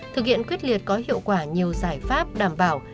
thực hiện quyết liệt có hiệu quả nhiều giải pháp đảm bảo